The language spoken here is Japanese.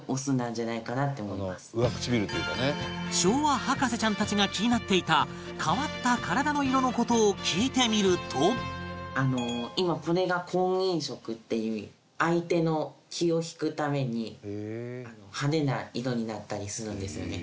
昭和博士ちゃんたちが気になっていた変わった今これが婚姻色っていう相手の気を引くために派手な色になったりするんですよね。